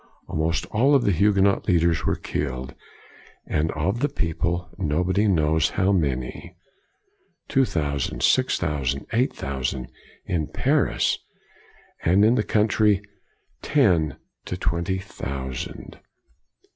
Almost all of the Huguenot leaders were killed; and of the people, nobody knows how many: two thousand, six thousand, eight thousand, in Paris ; and in the country, ten to twenty thousand.